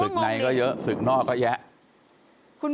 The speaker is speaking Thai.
ศึกไหนก็เยอะศึกหลอกของกู๕๒